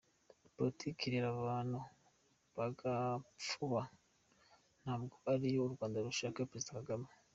Politiki irera abantu bagapfuba ntabwo ariyo u Rwanda rushaka – Perezida Kagame.